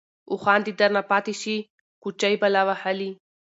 اوښـان دې درنه پاتې شي كوچـۍ بلا وهلې.